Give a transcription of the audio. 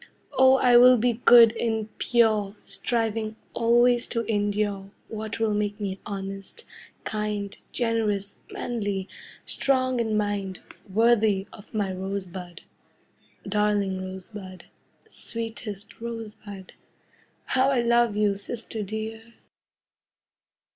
Oh, I will be good and pure, Striving always to endure What will make me honest, kind, Generous, manly, strong in mind, Worthy of my Rosebud. Darling Rosebud, Sweetest Rosebud, How I love you, sister dear!